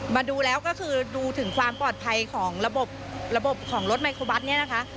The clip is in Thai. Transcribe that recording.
มาดูแล้วก็คือดูถึงความปลอดภัยของระบบระบบของรถไมโครบัสเนี่ยนะคะ